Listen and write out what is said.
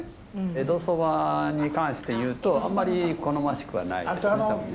江戸蕎麦に関していうとあんまり好ましくはないですね多分ね。